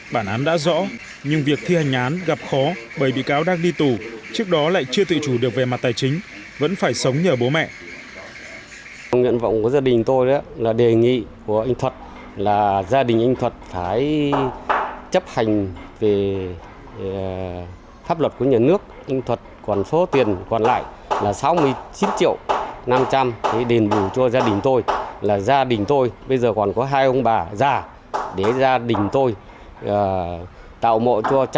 bản án đã rõ nhưng việc thi hành án gặp khó bởi bị cáo đang đi tù trước đó lại chưa tự chủ được về mặt tài chính vẫn phải sống nhờ bố mẹ